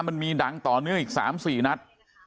มันมีดังต่อเนื่องอีก๓๔นัด